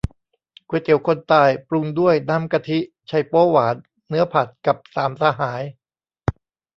ก๋วยเตี๋ยวคนตาย ปรุงด้วยน้ำกะทิ ไชโป๊วหวาน เนื้อผัด กับสามสหาย